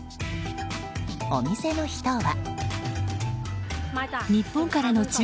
お店の人は。